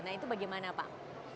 nah itu bagaimana pak